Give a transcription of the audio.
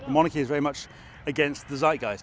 monarki adalah menentang zait guys